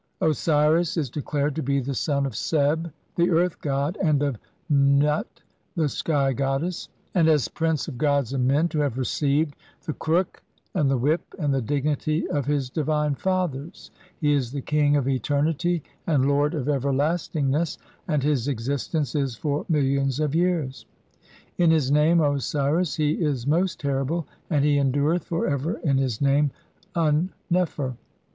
Osiris is declared to be the son of Seb, the earth god, and of Nut, the sky goddess, and "as prince of gods and men" to have "received the crook, and the whip, and the dignity of his divine fathers" ; he is the king of eternity and lord of ever lastingness, and his existence is for millions of years. In his name "Osiris" he is most terrible, and he en dureth for ever in his name "Un nefer".